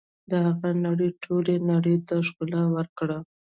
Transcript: د هغه نړۍ ټولې نړۍ ته ښکلا ورکړه.